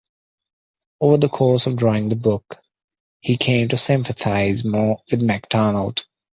Over the course of drawing the book, he came to sympathize more with Macdonald.